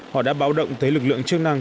họ đã báo động tới lực lượng chức năng